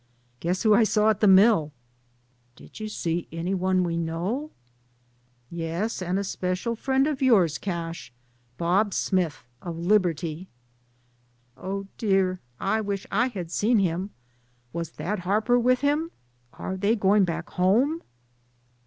"Guess who I saw at the mill ?" "Did you see any one we know ?" "Yes, an especial friend of yours. Cash, Bob Smith, of Liberty." "Oh, dear, I wish I had seen him. Was Thad Harper with him? Are they going back home?"